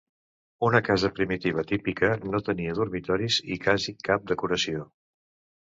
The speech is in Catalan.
Una casa primitiva típica no tenia dormitoris i quasi cap decoració.